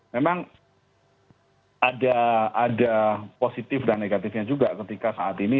memang ada positif dan negatifnya juga ketika saat ini